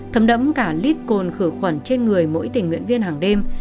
thấm đẫm cả lít cồn khử khuẩn trên người mỗi tình nguyện viên hàng đêm